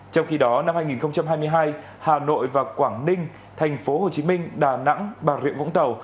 trong khi đó năm hai nghìn hai mươi hai hà nội và quảng ninh tp hcm đà nẵng bà rượu vũng tàu